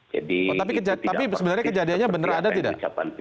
tapi sebenarnya kejadiannya benar ada tidak